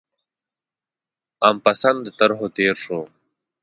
عام پسنده طرحو تېر شو.